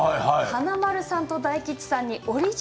華丸さん、大吉さん